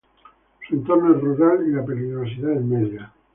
Su entorno es rural y la peligrosidad es media.